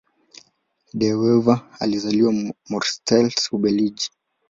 De Wever alizaliwa Mortsel, Ubelgiji.